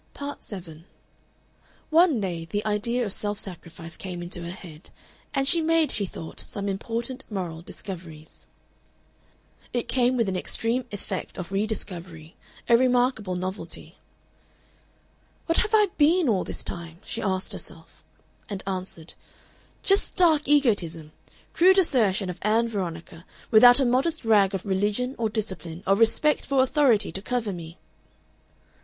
Part 7 One day the idea of self sacrifice came into her head, and she made, she thought, some important moral discoveries. It came with an extreme effect of re discovery, a remarkable novelty. "What have I been all this time?" she asked herself, and answered, "Just stark egotism, crude assertion of Ann Veronica, without a modest rag of religion or discipline or respect for authority to cover me!"